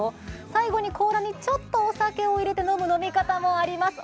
最後に甲羅にちょっとお酒を入れて飲む飲み方もあります。